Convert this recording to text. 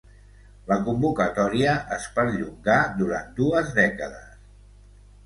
La convocatòria es perllongà durant dues dècades.